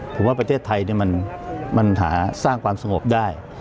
ผมว่าประเทศไทยมันหาสร้างความสงบได้